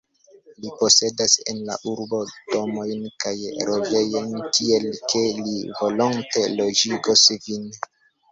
Li posedas en la urbo domojn kaj loĝejojn, tiel ke li volonte loĝigos vin.